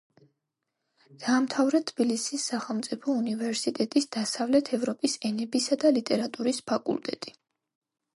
დაამთავრა თბილისის სახელმწიფო უნივერსიტეტის დასავლეთ ევროპის ენებისა და ლიტერატურის ფაკულტეტი.